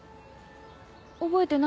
覚えてないの？